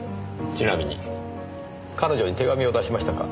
ちなみに彼女に手紙を出しましたか？